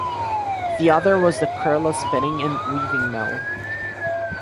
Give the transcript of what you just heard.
The other was the Kurla Spinning and Weaving Mill.